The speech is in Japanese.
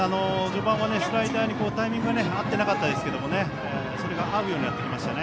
序盤は、スライダーにタイミングが合っていなかったですがそれが合うようになってきました。